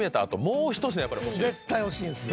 絶対欲しいんすよ。